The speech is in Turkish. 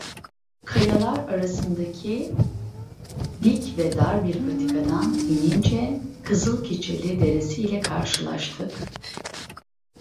Kayalar arasındaki dik ve dar bir patikadan inince Kızılkeçili Deresi'yle karşılaştık.